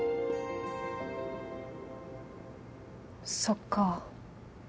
そっか。